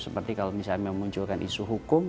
seperti kalau misalnya memunculkan isu hukum